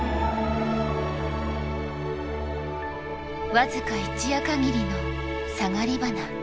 僅か一夜限りのサガリバナ。